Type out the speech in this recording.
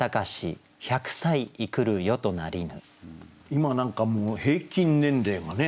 今何かもう平均年齢がね。